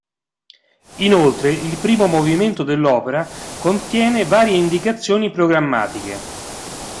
Inoltre il primo movimento dell'opera contiene varie indicazioni programmatiche.